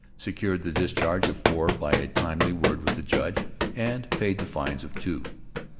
Secured the discharge of four by a timely word with the judge, and paid the fines of two.